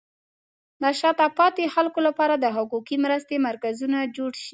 د شاته پاتې خلکو لپاره د حقوقي مرستې مرکزونه جوړ شي.